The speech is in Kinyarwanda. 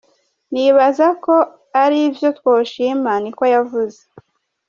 Nibaza ko ari vyo twoshima," ni ko yavuze.